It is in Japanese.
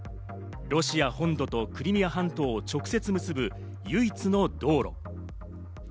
ロシア本土とクリミア半島を直接結ぶ唯一の道路。